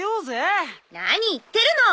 何言ってるの？